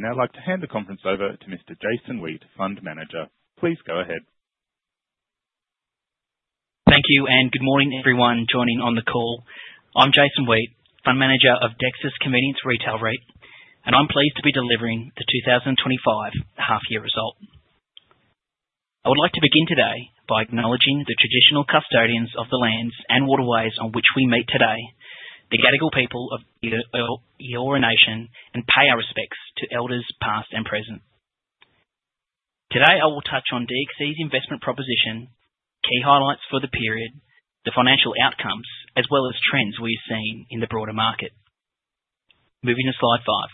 I'd now like to hand the conference over to Mr. Jason Weate, Fund Manager. Please go ahead. Thank you, and good morning, everyone joining on the call. I'm Jason Weate, Fund Manager of Dexus Convenience Retail REIT, and I'm pleased to be delivering the 2025 half-year result. I would like to begin today by acknowledging the traditional custodians of the lands and waterways on which we meet today, the Gadigal people of the Eora Nation, and pay our respects to elders past and present. Today, I will touch on DXC's investment proposition, key highlights for the period, the financial outcomes, as well as trends we've seen in the broader market. Moving to slide five.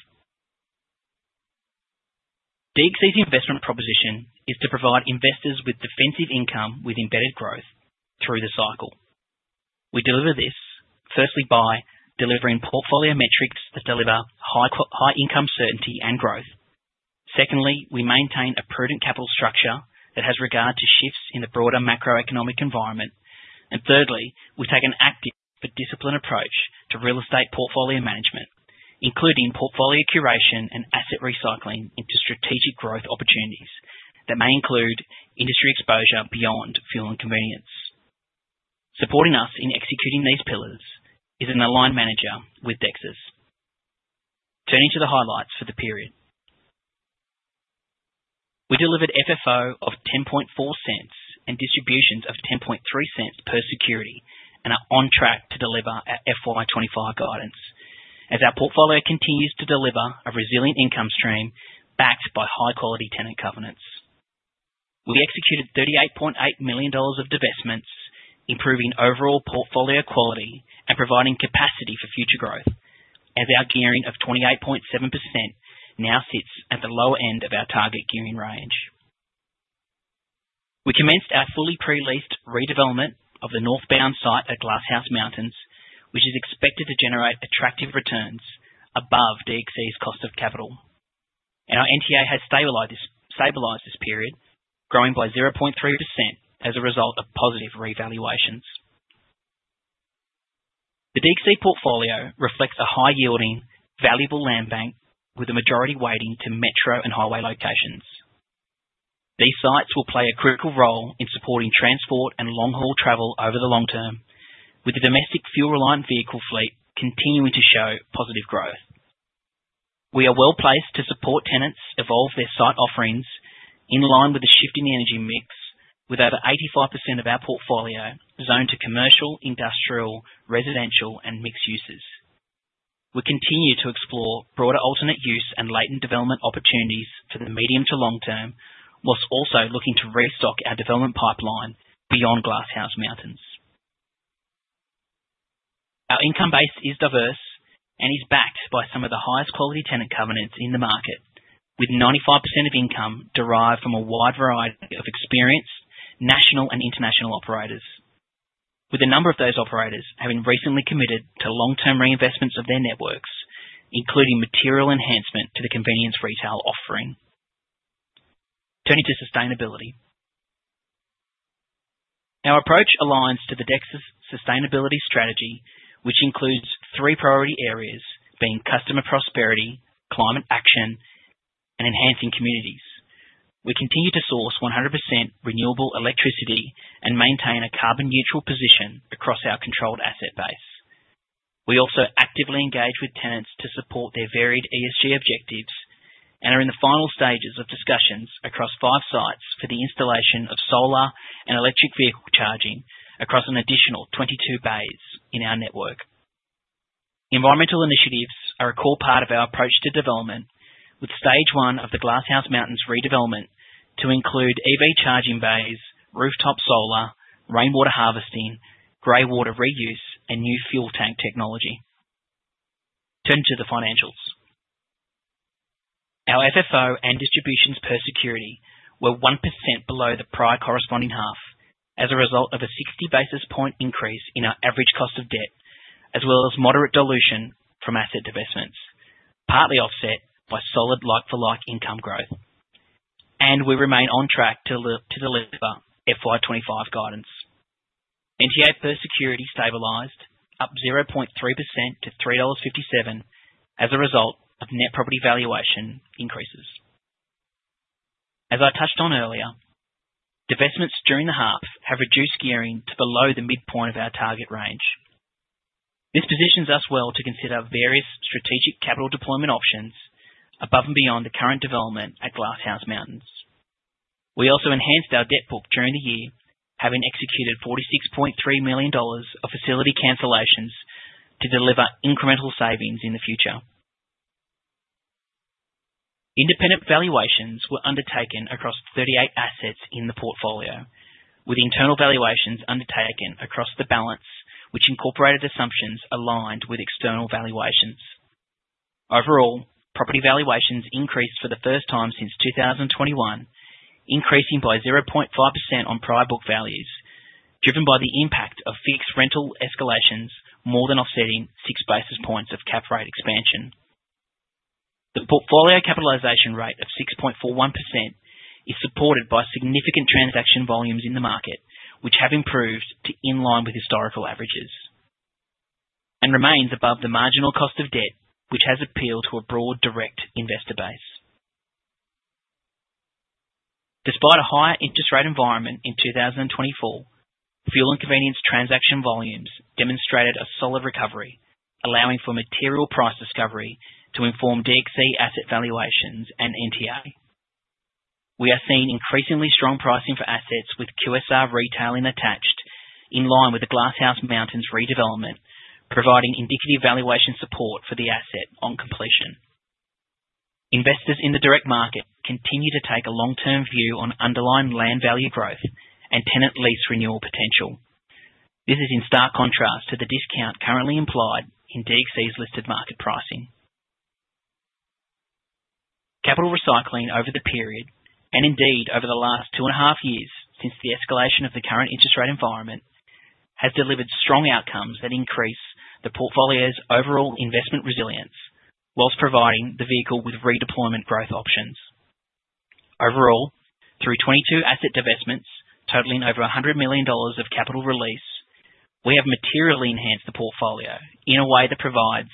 DXC's investment proposition is to provide investors with defensive income with embedded growth through the cycle. We deliver this, firstly, by delivering portfolio metrics that deliver high income certainty and growth. Secondly, we maintain a prudent capital structure that has regard to shifts in the broader macroeconomic environment. Thirdly, we take an active but disciplined approach to real estate portfolio management, including portfolio curation and asset recycling into strategic growth opportunities that may include industry exposure beyond fuel and convenience. Supporting us in executing these pillars is an aligned manager with Dexus. Turning to the highlights for the period, we delivered FFO of 0.104 and distributions of 0.103 per security and are on track to deliver our FY2025 guidance as our portfolio continues to deliver a resilient income stream backed by high-quality tenant governance. We executed 38.8 million dollars of divestments, improving overall portfolio quality and providing capacity for future growth, as our gearing of 28.7% now sits at the lower end of our target gearing range. We commenced our fully pre-leased redevelopment of the northbound site at Glasshouse Mountains, which is expected to generate attractive returns above DXC's cost of capital. Our NTA has stabilized this period, growing by 0.3% as a result of positive revaluations. The DXC portfolio reflects a high-yielding, valuable land bank, with the majority weighting to metro and highway locations. These sites will play a critical role in supporting transport and long-haul travel over the long term, with the domestic fuel-reliant vehicle fleet continuing to show positive growth. We are well placed to support tenants evolve their site offerings in line with the shifting energy mix, with over 85% of our portfolio zoned to commercial, industrial, residential, and mixed uses. We continue to explore broader alternate use and latent development opportunities for the medium to long term, whilst also looking to restock our development pipeline beyond Glasshouse Mountains. Our income base is diverse and is backed by some of the highest quality tenant governance in the market, with 95% of income derived from a wide variety of experienced national and international operators, with a number of those operators having recently committed to long-term reinvestments of their networks, including material enhancement to the convenience retail offering. Turning to sustainability, our approach aligns to the Dexus sustainability strategy, which includes three priority areas being customer prosperity, climate action, and enhancing communities. We continue to source 100% renewable electricity and maintain a carbon-neutral position across our controlled asset base. We also actively engage with tenants to support their varied ESG objectives and are in the final stages of discussions across five sites for the installation of solar and electric vehicle charging across an additional 22 bays in our network. Environmental initiatives are a core part of our approach to development, with stage one of the Glasshouse Mountains redevelopment to include EV charging bays, rooftop solar, rainwater harvesting, greywater reuse, and new fuel tank technology. Turning to the financials, our FFO and distributions per security were 1% below the prior corresponding half as a result of a 60 basis point increase in our average cost of debt, as well as moderate dilution from asset divestments, partly offset by solid like-for-like income growth. We remain on track to deliver FY2025 guidance. NTA per security stabilized, up 0.3% to 3.57 dollars as a result of net property valuation increases. As I touched on earlier, divestments during the half have reduced gearing to below the midpoint of our target range. This positions us well to consider various strategic capital deployment options above and beyond the current development at Glasshouse Mountains. We also enhanced our debt book during the year, having executed 46.3 million dollars of facility cancellations to deliver incremental savings in the future. Independent valuations were undertaken across 38 assets in the portfolio, with internal valuations undertaken across the balance, which incorporated assumptions aligned with external valuations. Overall, property valuations increased for the first time since 2021, increasing by 0.5% on prior book values, driven by the impact of fixed rental escalations more than offsetting six basis points of cap rate expansion. The portfolio capitalization rate of 6.41% is supported by significant transaction volumes in the market, which have improved to in line with historical averages and remains above the marginal cost of debt, which has appeal to a broad direct investor base. Despite a higher interest rate environment in 2024, fuel and convenience transaction volumes demonstrated a solid recovery, allowing for material price discovery to inform DXC asset valuations and NTA. We are seeing increasingly strong pricing for assets with QSR retailing attached in line with the Glasshouse Mountains redevelopment, providing indicative valuation support for the asset on completion. Investors in the direct market continue to take a long-term view on underlying land value growth and tenant lease renewal potential. This is in stark contrast to the discount currently implied in DXC's listed market pricing. Capital recycling over the period, and indeed over the last two and a half years since the escalation of the current interest rate environment, has delivered strong outcomes that increase the portfolio's overall investment resilience whilst providing the vehicle with redeployment growth options. Overall, through 22 asset divestments totaling over 100 million dollars of capital release, we have materially enhanced the portfolio in a way that provides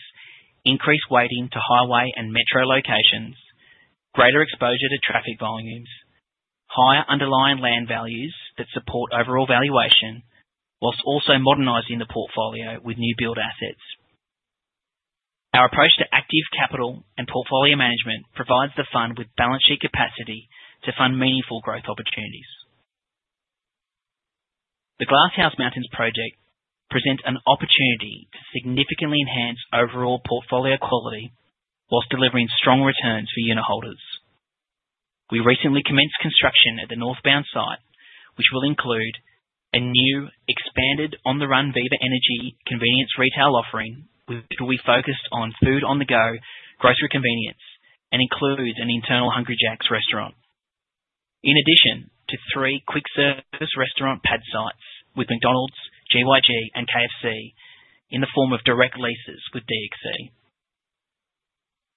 increased weighting to highway and metro locations, greater exposure to traffic volumes, higher underlying land values that support overall valuation, whilst also modernizing the portfolio with new build assets. Our approach to active capital and portfolio management provides the fund with balance sheet capacity to fund meaningful growth opportunities. The Glasshouse Mountains project presents an opportunity to significantly enhance overall portfolio quality whilst delivering strong returns for unit holders. We recently commenced construction at the northbound site, which will include a new expanded On The Run Viva Energy convenience retail offering which will be focused on food on the go, grocery convenience, and includes an internal Hungry Jack's restaurant, in addition to three quick service restaurant pad sites with McDonald's, GYG, and KFC in the form of direct leases with DXC.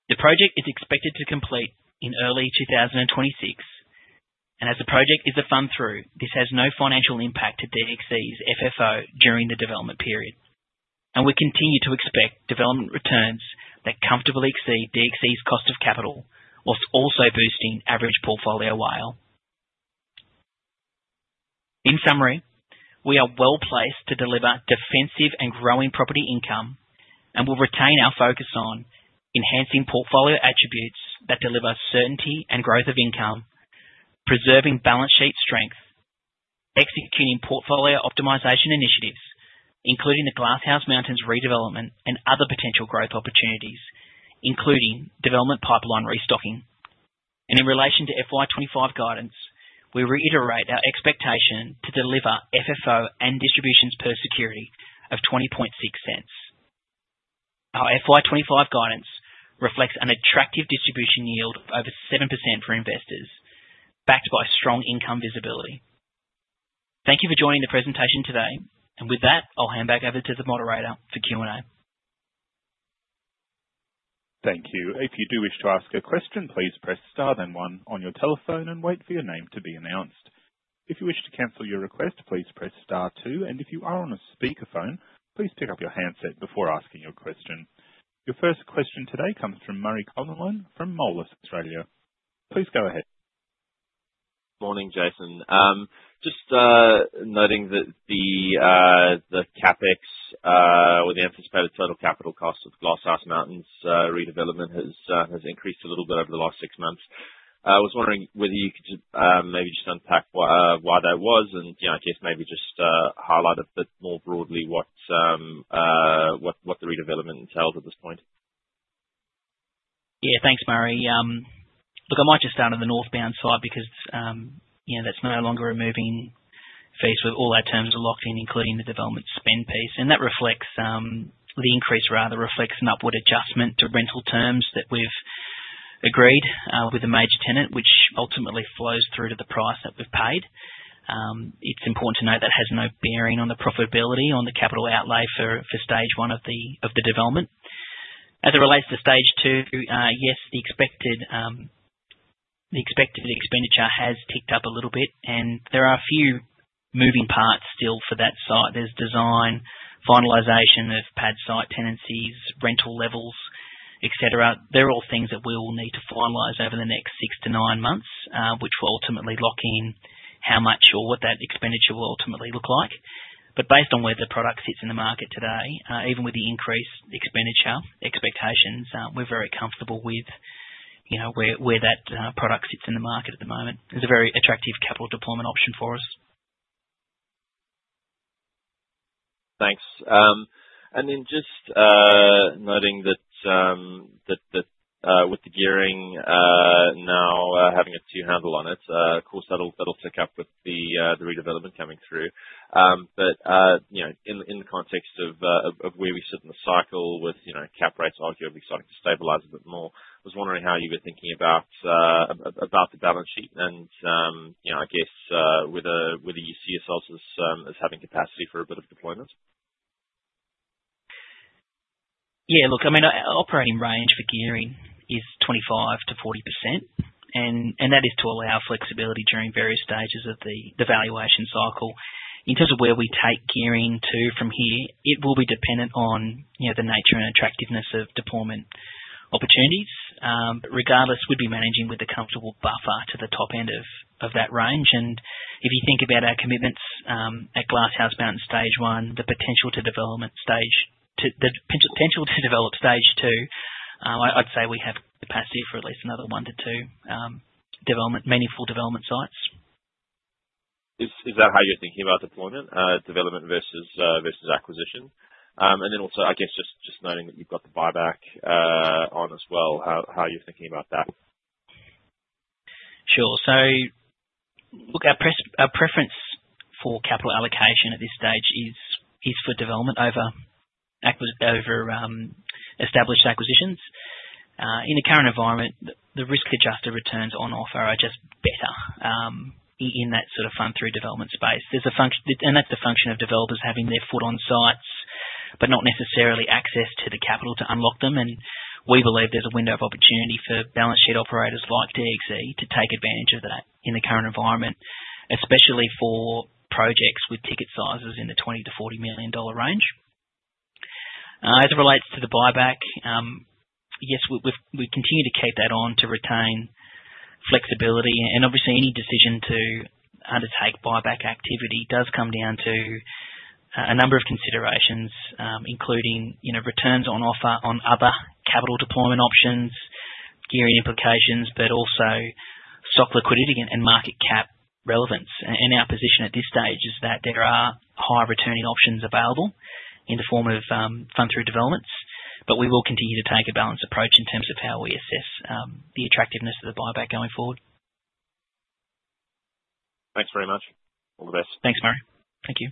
The project is expected to complete in early 2026, and as the project is a fund through, this has no financial impact to DXC's FFO during the development period. We continue to expect development returns that comfortably exceed DXC's cost of capital, whilst also boosting average portfolio WALE. In summary, we are well placed to deliver defensive and growing property income and will retain our focus on enhancing portfolio attributes that deliver certainty and growth of income, preserving balance sheet strength, executing portfolio optimization initiatives, including the Glasshouse Mountains redevelopment and other potential growth opportunities, including development pipeline restocking. In relation to FY2025 guidance, we reiterate our expectation to deliver FFO and distributions per security of 0.206. Our FY2025 guidance reflects an attractive distribution yield of over 7% for investors, backed by strong income visibility. Thank you for joining the presentation today, and with that, I'll hand back over to the moderator for Q&A. Thank you. If you do wish to ask a question, please press star then one on your telephone and wait for your name to be announced. If you wish to cancel your request, please press star two. If you are on a speakerphone, please pick up your handset before asking your question. Your first question today comes from Murray Condon from Morgans Australia. Please go ahead. Morning, Jason. Just noting that the CapEx or the anticipated total capital cost of Glasshouse Mountains redevelopment has increased a little bit over the last six months. I was wondering whether you could maybe just unpack why that was and, I guess, maybe just highlight a bit more broadly what the redevelopment entails at this point. Yeah, thanks, Murray. Look, I might just start on the northbound side because that's no longer a moving face with all our terms are locked in, including the development spend piece. That reflects the increase, rather, reflects an upward adjustment to rental terms that we've agreed with the major tenant, which ultimately flows through to the price that we've paid. It's important to note that has no bearing on the profitability on the capital outlay for stage one of the development. As it relates to stage two, yes, the expected expenditure has ticked up a little bit, and there are a few moving parts still for that site. There's design, finalization of pad site tenancies, rental levels, etc. They're all things that we will need to finalize over the next six to nine months, which will ultimately lock in how much or what that expenditure will ultimately look like. Based on where the product sits in the market today, even with the increased expenditure expectations, we're very comfortable with where that product sits in the market at the moment. It's a very attractive capital deployment option for us. Thanks. Just noting that with the gearing now having a two-handle on it, of course, that'll tick up with the redevelopment coming through. In the context of where we sit in the cycle with cap rates arguably starting to stabilize a bit more, I was wondering how you were thinking about the balance sheet and, I guess, whether you see yourselves as having capacity for a bit of deployment. Yeah. Look, I mean, our operating range for gearing is 25-40%, and that is to allow flexibility during various stages of the valuation cycle. In terms of where we take gearing to from here, it will be dependent on the nature and attractiveness of deployment opportunities. Regardless, we'd be managing with a comfortable buffer to the top end of that range. If you think about our commitments at Glasshouse Mountains stage one, the potential to development stage two, I'd say we have capacity for at least another one to two meaningful development sites. Is that how you're thinking about deployment, development versus acquisition? I guess just noting that you've got the buyback on as well, how you're thinking about that. Sure. Look, our preference for capital allocation at this stage is for development over established acquisitions. In the current environment, the risk-adjusted returns on offer are just better in that sort of fund-through development space. That is the function of developers having their foot on sites but not necessarily access to the capital to unlock them. We believe there is a window of opportunity for balance sheet operators like DXC to take advantage of that in the current environment, especially for projects with ticket sizes in the 20 million-40 million dollar range. As it relates to the buyback, yes, we continue to keep that on to retain flexibility. Obviously, any decision to undertake buyback activity does come down to a number of considerations, including returns on offer on other capital deployment options, gearing implications, but also stock liquidity and market cap relevance. Our position at this stage is that there are high returning options available in the form of fund through developments, but we will continue to take a balanced approach in terms of how we assess the attractiveness of the buyback going forward. Thanks very much. All the best. Thanks, Murray. Thank you.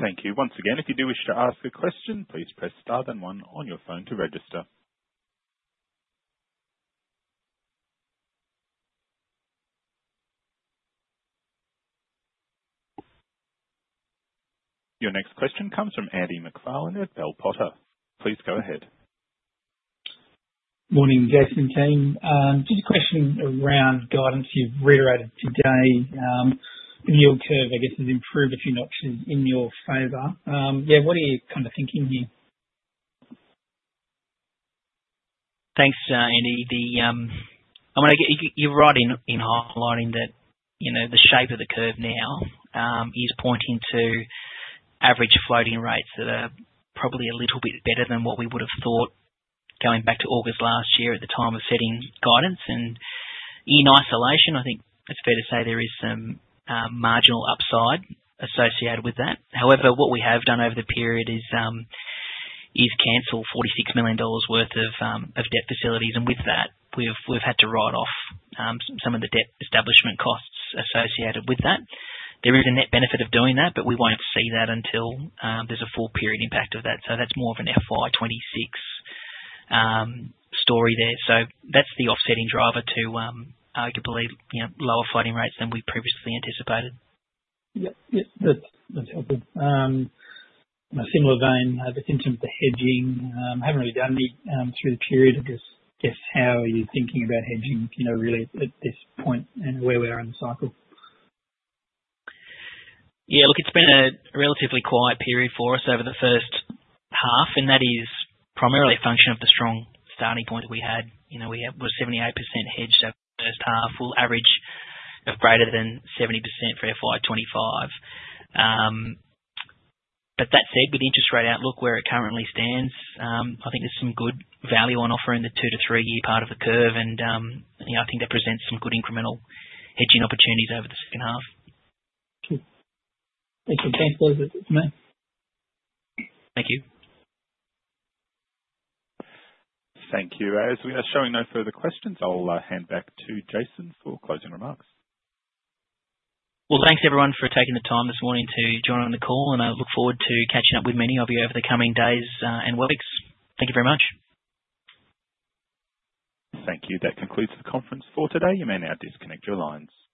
Thank you once again. If you do wish to ask a question, please press star then one on your phone to register. Your next question comes from Andy MacFarlane at Bell Potter. Please go ahead. Morning, Jason team. Just a question around guidance you've reiterated today. The yield curve, I guess, has improved a few notches in your favor. Yeah, what are you kind of thinking here? Thanks, Andy. I mean, you're right in highlighting that the shape of the curve now is pointing to average floating rates that are probably a little bit better than what we would have thought going back to August last year at the time of setting guidance. In isolation, I think it's fair to say there is some marginal upside associated with that. However, what we have done over the period is cancel 46 million dollars worth of debt facilities. With that, we've had to write off some of the debt establishment costs associated with that. There is a net benefit of doing that, but we won't see that until there's a full period impact of that. That is more of an FY2026 story there. That is the offsetting driver to arguably lower floating rates than we previously anticipated. Yep. Yep. That's helpful. In a similar vein, in terms of the hedging, haven't really done any through the period. I guess, how are you thinking about hedging really at this point and where we are in the cycle? Yeah. Look, it's been a relatively quiet period for us over the first half, and that is primarily a function of the strong starting point that we had. We were 78% hedged over the first half, average of greater than 70% for FY2025. That said, with the interest rate outlook where it currently stands, I think there's some good value on offer in the two- to three-year part of the curve, and I think that presents some good incremental hedging opportunities over the second half. Cool. Thanks for your time. Pleasure. It's me. Thank you. Thank you. As we are showing no further questions, I'll hand back to Jason for closing remarks. Thanks everyone for taking the time this morning to join on the call, and I look forward to catching up with many of you over the coming days and weeks. Thank you very much. Thank you. That concludes the conference for today. You may now disconnect your lines.